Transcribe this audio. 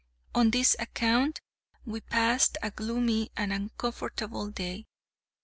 On this account we passed a gloomy and uncomfortable day.